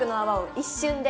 一瞬で？